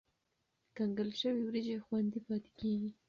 کنګل شوې وریجې خوندي پاتې کېږي.